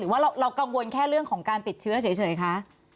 ว่าเรากังวลแค่เรื่องของการติดเชื้อเฉยคะ